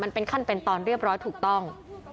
มันเป็นขั้นเป็นตอนเรียบร้อยถูกต้อง